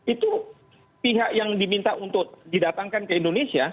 itu pihak yang diminta untuk didatangkan ke indonesia